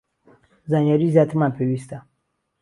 زانیاری زیاترمان پێویستە